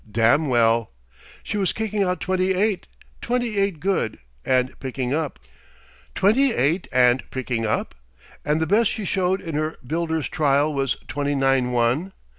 Damn' well. She was kicking out twenty eight twenty eight good and picking up. Twenty eight and picking up? And the best she showed in her builders' trial was twenty nine one!